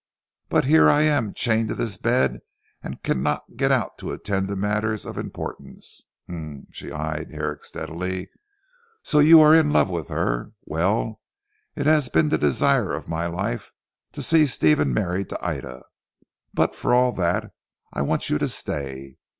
But here I am chained to this bed and cannot get out to attend to matters of importance. Humph!" she eyed Herrick steadily, "so you are in love with her! Well! it has been the desire of my life to see Stephen married to Ida, but for all that, I want you to stay.